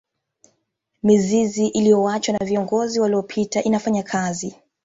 mizizi iliyoachwa na viongozi waliyopita inafanya kazi